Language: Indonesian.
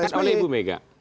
diangkat oleh ibu mega